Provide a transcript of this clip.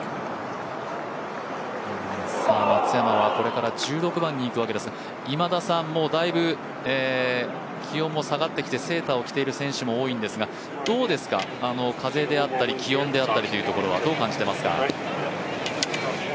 松山はこれから１６番に行くわけですが、もうだいぶ気温も下がってきてセーターを着ている選手も多いんですが、どうですか、風であったり気温であったりというところはどう感じていますか？